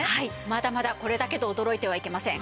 まだまだこれだけで驚いてはいけません。